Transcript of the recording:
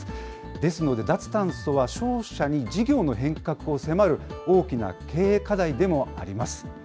ですので、脱炭素は商社に事業の変革を迫る大きな経営課題でもあります。